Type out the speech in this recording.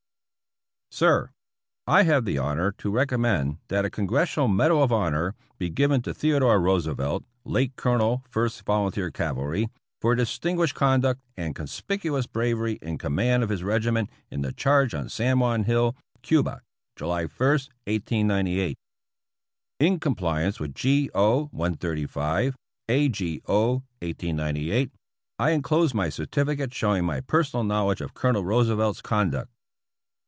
Sir : I have the honor to recommend that a '' Congres sional Medal of Honor " be given to Theodore Roose velt (late Colonel First Volunteer Cavalry), for distin guished conduct and conspicuous bravery in command of his regiment in the charge on San Juan Hill, Cuba, July i, 1898. In compliance with G. O. 135, A. G. O. 1898, I en close my certificate showing my personal knowledge of Colonel Roosevelt's conduct.